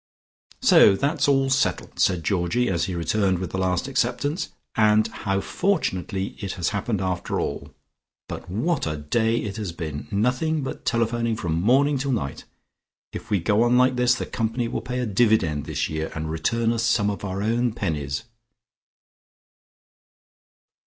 "So that's all settled," said Georgie, as he returned with the last acceptance, "and how fortunately it has happened after all. But what a day it has been. Nothing but telephoning from morning till night. If we go on like this the company will pay a dividend this year, and return us some of our own pennies."